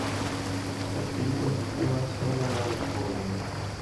La kirko situas sola laŭ vojo.